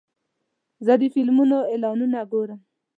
زه د فلمونو اعلانونه ګورم.